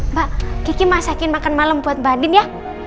mbak kiki masakin makan malam buat mbak din ya